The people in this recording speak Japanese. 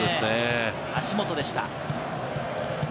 足元でした。